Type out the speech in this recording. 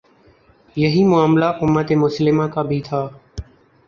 یہی معاملہ امت مسلمہ کا بھی تھا۔